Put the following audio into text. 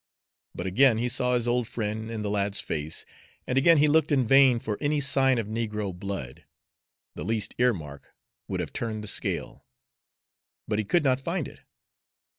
But again he saw his old friend in the lad's face, and again he looked in vain for any sign of negro blood. The least earmark would have turned the scale, but he could not find it.